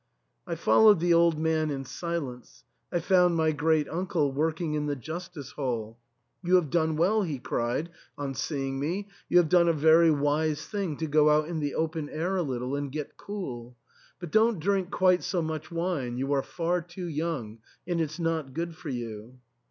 I followed the old man in silence. I found my great uncle working in the justice hall. " You have done well," he cried, on seeing me, " you have done a very wise thing to go out in the open air a little and get cool. But don*t drink quite so much wine ; you are far too young, and it's not good for you."